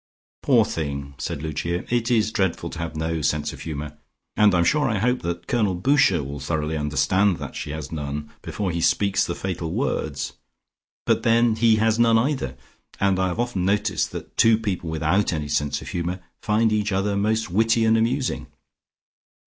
"Poor thing!" said Lucia, "it is dreadful to have no sense of humour, and I'm sure I hope that Colonel Boucher will thoroughly understand that she has none before he speaks the fatal words. But then he has none either, and I have often noticed that two people without any sense of humour find each other most witty and amusing.